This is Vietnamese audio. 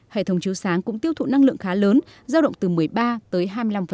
hệ thống chiếu sáng cũng tiêu thụ năng lượng khá lớn giao động từ một mươi ba tới hai mươi năm